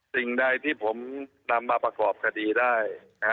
สิ่งใดที่ผมนำมาประกอบคดีได้